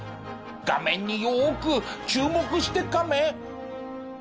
画面によく注目してカメ。